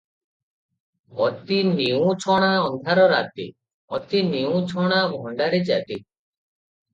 'ଅତି ନିଉଁଛଣା ଅନ୍ଧାର ରାତି, ଅତି ନିଉଁଛଣା ଭଣ୍ତାରି ଜାତି ।'